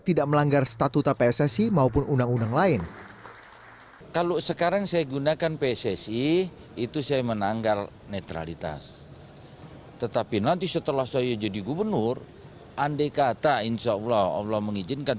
ketua pemimpin federasi sepak bola nasional edy rahmayadi berkomitmen untuk tetap menjabat sebagai ketua umum pssi hingga masa jabatannya berakhir tahun dua ribu dua puluh mendatang